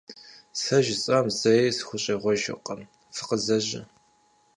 Сэ жысӀам зэи сыхущӀегъуэжыркъым, фыкъызэжьэ!